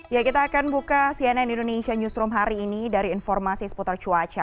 ya kita akan buka cnn indonesia newsroom hari ini dari informasi seputar cuaca